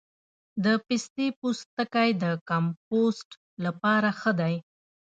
د پستې پوستکی د کمپوسټ لپاره ښه دی؟